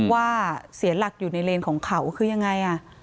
ว่าเสียหลักอยู่ในเลนของเขาคือยังไง